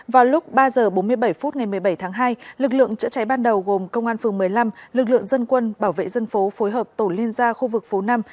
vào lúc ba h bốn mươi bảy phút ngày một mươi bảy tháng hai lực lượng chữa cháy ban đầu gồm công an phường một mươi năm lực lượng dân quân bảo vệ dân phố phối hợp tổ liên gia khu vực phố năm